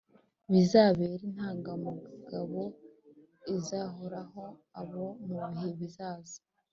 bizabere intangamugabo izahoraho abo mu bihe bizaza.